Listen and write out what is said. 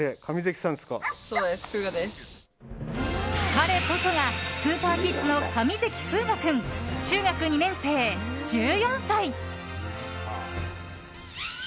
彼こそがスーパーキッズの上関風雅君、中学２年生、１４歳。